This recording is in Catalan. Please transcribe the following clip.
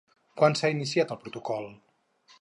Quan s'ha iniciat el protocol?